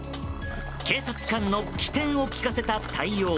警察官の、機転を利かせた対応。